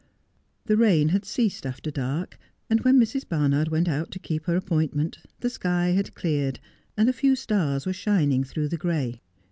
The rain had ceased after dark, and when Mrs. Barnard went out to keep her appointment the sky had cleared, and a few stars were shining through the gray.